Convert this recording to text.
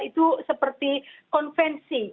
itu seperti konvensi